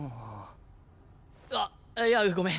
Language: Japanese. あっいやごめん。